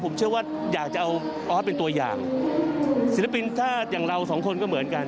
ผมเชื่อว่าอยากจะเอาออสเป็นตัวอย่างศิลปินถ้าอย่างเราสองคนก็เหมือนกัน